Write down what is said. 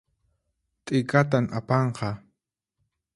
T'ikatan apanqa